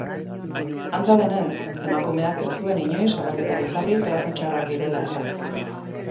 Antza denez, emakumeak ez zuen inoiz salaketarik jarri tratu txarrak direla eta.